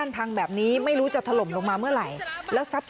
ผู้ระเบิดค่ะ